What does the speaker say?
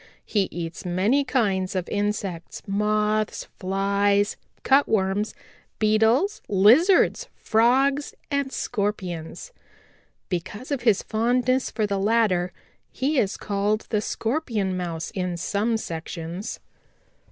He eats many kinds of insects, Moths, Flies, Cutworms, Beetles, Lizards, Frogs and Scorpions. Because of his fondness for the latter he is called the Scorpion Mouse in some sections.